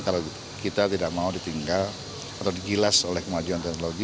kalau kita tidak mau ditinggal atau digilas oleh kemajuan teknologi